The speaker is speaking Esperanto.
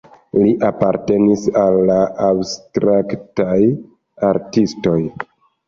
Li apartenis al la abstraktaj artistoj.